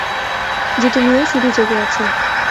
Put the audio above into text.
জিতু মিয়া শুধু জেগে আছে।